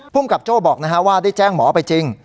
ภูมิกับโจ้บอกว่าได้แจ้งหมอไปจริง